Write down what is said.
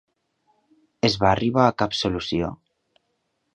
Es va arribar a cap solució?